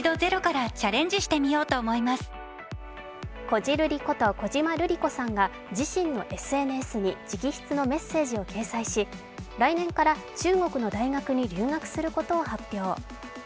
こじるりこと小島瑠璃子さんが自身のＳＮＳに直筆のメッセージを掲載し来年から中国の大学に留学することを発表。